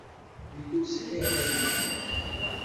Nekk ur sɛiɣ aydi.